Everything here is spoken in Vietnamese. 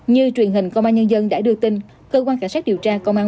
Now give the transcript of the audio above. như truyền hình công an nhân dân đã đưa tin cơ quan cảnh sát điều tra công an